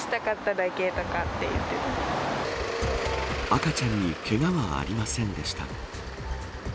赤ちゃんにけがはありませんでした。